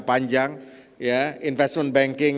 panjang investment banking